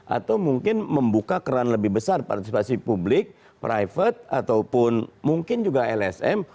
atau mungkin membuka keran lebih besar partisipasi publik private ataupun mungkin juga lsm